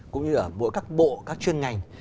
cũng như ở mỗi các bộ các chuyên ngành